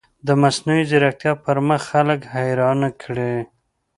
د مصنوعي ځیرکتیا پرمختګ خلک حیران کړي.